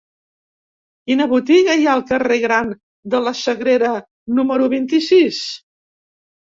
Quina botiga hi ha al carrer Gran de la Sagrera número vint-i-sis?